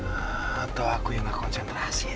atau aku yang gak konsentrasi ya